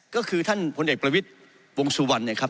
ก็คือท่านพลเอกประวิทย์วงสุวรรณเนี่ยครับ